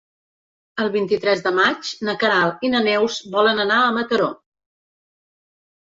El vint-i-tres de maig na Queralt i na Neus volen anar a Mataró.